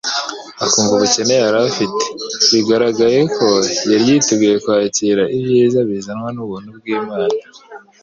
akumva ubukene yari afite. Bigaragaye ko yari yiteguye kwakira ibyiza bizanwa n'ubuntu bw'Imana